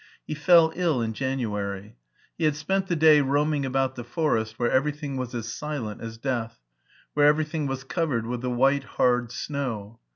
He fell ill in January. He had spent the day roaming about the forest, where everything was as silent as death, where everything was covered with the white, hard snow.